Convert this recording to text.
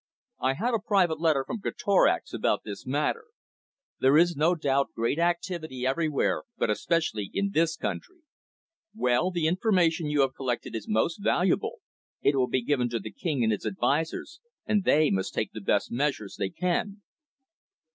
"I had a private letter from Greatorex about this matter. There is no doubt great activity everywhere, but especially in this country. Well, the information you have collected is most valuable. It will be given to the King and his advisers, and they must take the best measures they can."